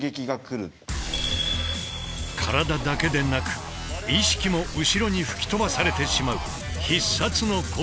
体だけでなく意識も後ろに吹き飛ばされてしまう必殺の拳。